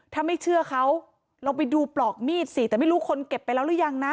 ถ้าไม่เชื่อเขาลองไปดูปลอกมีดสิแต่ไม่รู้คนเก็บไปแล้วหรือยังนะ